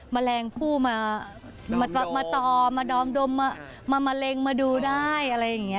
แมลงผู้มาต่อมาดอมมามะเร็งมาดูได้อะไรอย่างนี้